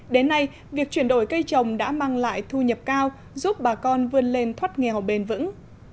đến nay việc chuyển đổi cây trồng đã mang lại thu nhập cao giúp bà con vươn lên thoát nghèo bền vững